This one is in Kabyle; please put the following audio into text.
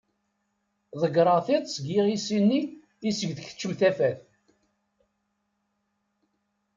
Ḍegreɣ tiṭ seg yiɣisi-nni iseg d-tkeccem tafat.